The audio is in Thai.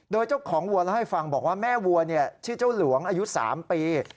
โดยเจ้าของวัวเล่าให้ฟังบอกว่าแม่วัวชื่อเจ้าหลวงอายุ๓ปี